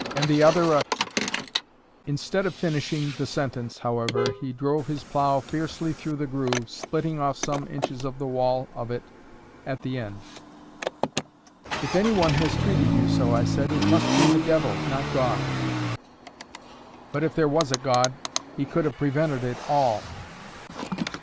"And the other a ..." Instead of finishing the sentence, however, he drove his plough fiercely through the groove, splitting off some inches of the wall of it at the end. "If any one has treated you so," I said, "it must be the devil, not God." "But if there was a God, he could have prevented it all."